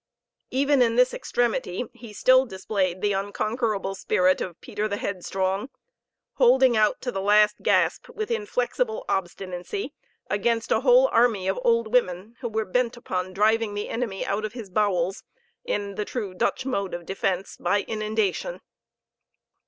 Even in this extremity he still displayed the unconquerable sprit of Peter the Headstrong holding out to the last gasp with inflexible obstinacy against a whole army of old women, who were bent upon driving the enemy out of his bowels, in the true Dutch mode of defense, by inundation.